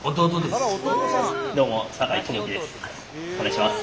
お願いします。